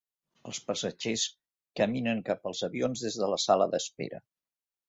Els passatgers caminen cap als avions des de la sala d'espera.